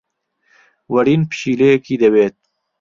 وەرین پشیلەیەکی دەوێت.